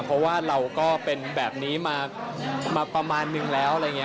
เพราะว่าเราก็เป็นแบบนี้มาประมาณนึงแล้ว